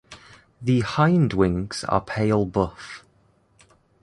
The hindwings are pale buff.